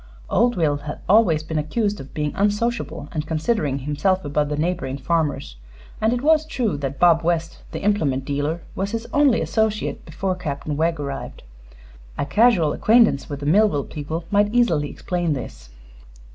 Old Will had always been accused of being unsociable and considering himself above the neighboring farmers; and it was true that Bob West, the implement dealer, was his only associate before Captain Wegg arrived. A casual acquaintance with the Millville people might easily explain this.